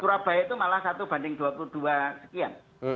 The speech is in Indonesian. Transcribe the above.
surabaya itu malah satu banding dua puluh dua sekian